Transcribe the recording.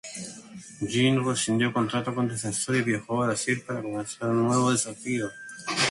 Gino rescindió contrato con Defensor y viajó a Brasil para comenzar un nuevo desafío.